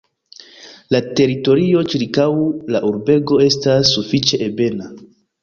La teritorio ĉirkaŭ la urbego estas sufiĉe ebena.